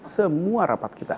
semua rapat kita